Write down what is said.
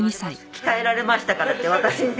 「鍛えられましたから」って私に。